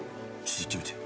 いってみて。